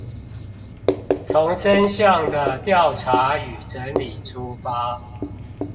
從真相的調查與整理出發